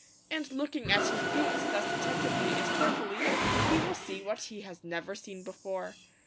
And looking at his boots thus attentively and carefully he will see what he has never seen before.